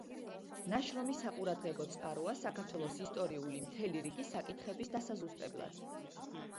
ნაშრომი საყურადღებო წყაროა საქართველოს ისტორიული მთელი რიგი საკითხების დასაზუსტებლად.